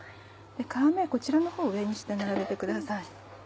皮目はこちらのほう上にして並べてください。